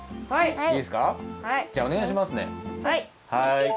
はい。